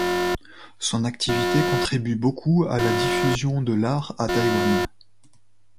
Son activité contribue beaucoup à la diffusion de l’art à Taïwan.